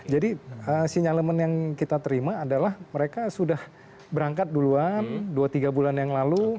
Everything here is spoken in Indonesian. jadi sinyalemen yang kita terima adalah mereka sudah berangkat duluan dua tiga bulan yang lalu